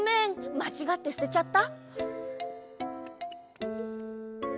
まちがってすてちゃった！？